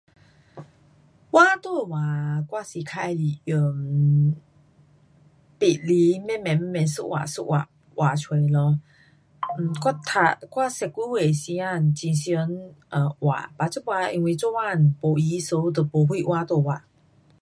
画图画我是较喜欢用笔来慢慢慢慢一划一划画出来咯，我读，我十多岁的时间很常呃画，but 这次因为做工没空 so 都没什画图画。